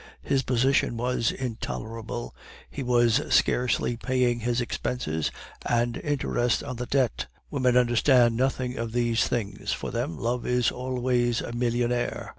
His position was intolerable, he was scarcely paying his expenses and interest on the debt. Women understand nothing of these things; for them, love is always a millionaire."